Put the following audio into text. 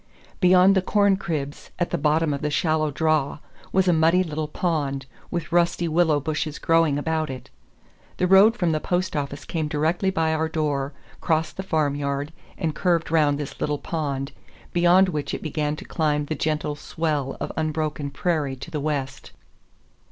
Beyond the corncribs, at the bottom of the shallow draw, was a muddy little pond, with rusty willow bushes growing about it. The road from the post office came directly by our door, crossed the farmyard, and curved round this little pond, beyond which it began to climb the gentle swell of unbroken prairie to the west.